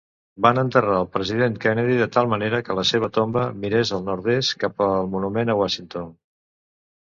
Van enterrar el president Kennedy de tal manera que la seva tomba mirés al nord-est cap al Monument a Washington.